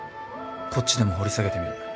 こっちでも掘り下げてみる。